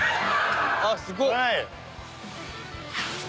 あっすごい。